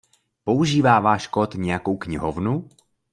Používá váš kód nějakou knihovnu?